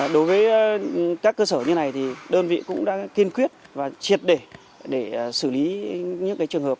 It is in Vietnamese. đối với các cơ sở như này thì đơn vị cũng đã kiên quyết và triệt để để xử lý những trường hợp